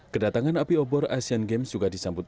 kedatangan api obor asian games juga disambut